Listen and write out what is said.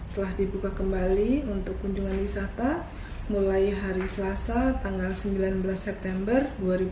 telah dibuka kembali untuk kunjungan wisata mulai hari selasa tanggal sembilan belas september dua ribu dua puluh